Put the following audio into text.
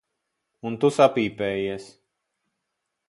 Un tu sapīpējies.